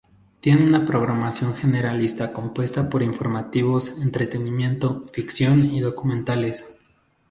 Tiene una programación generalista compuesta por informativos, entretenimiento, ficción y documentales.